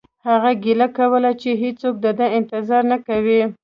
هغه ګیله کوله چې هیڅوک د ده انتظار نه کوي